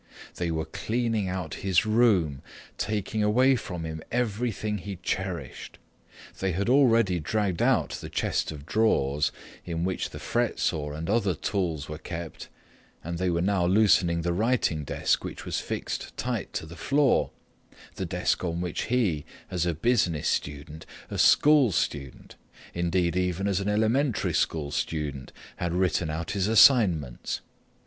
They were cleaning out his room, taking away from him everything he cherished; they had already dragged out the chest of drawers in which the fret saw and other tools were kept, and they were now loosening the writing desk which was fixed tight to the floor, the desk on which he, as a business student, a school student, indeed even as an elementary school student, had written out his assignments.